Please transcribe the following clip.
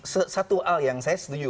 satu hal yang saya setuju